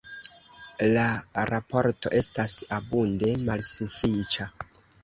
La raporto estas abunde malsufiĉa.